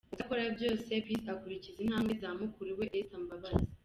Mu byo akora byose, Peace akurikiza intambwe za mukuru we Esther Mbabazi.